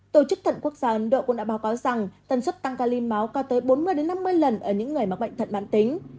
tổ chức thận quốc gia ấn độ cũng đã báo cáo rằng tần suất tăng cali máu có tới bốn mươi năm mươi lần ở những người mắc bệnh thận mạng tính